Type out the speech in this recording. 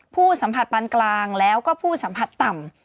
ผู้สัมผัสปานกลางแล้วก็ผู้สัมผัสต่ำ